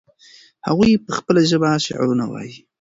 هغوی په خپله ژبه شعرونه وایي.